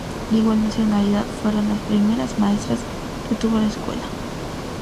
De igual nacionalidad fueron las primeras maestras que tuvo la escuela.